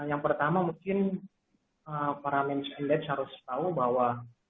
yang pertama mungkin para medis medis harus tahu bahwa